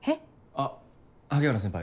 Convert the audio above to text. あっ萩原先輩